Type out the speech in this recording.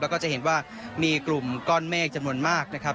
แล้วก็จะเห็นว่ามีกลุ่มก้อนเมฆจำนวนมากนะครับ